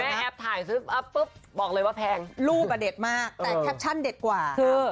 แต่แม่แอปถ่ายซึ่งปุ๊บบอกเลยว่าแพงรูปอ่ะเด็ดมากแต่แคปชั่นเด็ดกว่าครับ